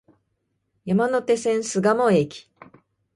山手線、巣鴨駅